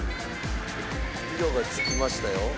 色がつきましたよ。